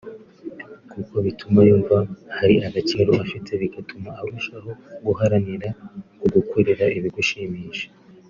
kuko bituma yumva hari agaciro afite bigatuma arushaho guharanira kugukorera ibigushimisha